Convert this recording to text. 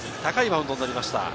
高いバウンドになりました。